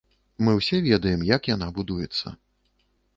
Мы ўсе ведаем, як яна будуецца.